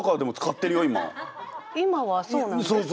今はそうなんですか？